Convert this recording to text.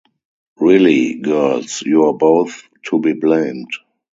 Really, girls, you are both to be blamed.